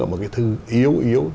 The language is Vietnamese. ở một cái thư yếu yếu